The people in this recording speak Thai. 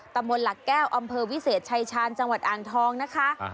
ตำบลหลักแก้วอำเภอวิเศษชายชาญจังหวัดอ่างทองนะคะ